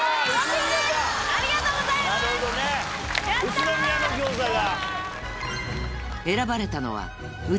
宇都宮の餃子が。